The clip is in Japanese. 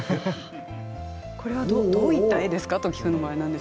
これはどういった絵ですか。